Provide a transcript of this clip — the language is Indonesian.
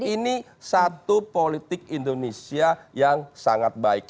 ini satu politik indonesia yang sangat baik